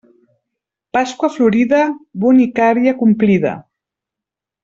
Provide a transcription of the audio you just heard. Pasqua florida, bonicària complida.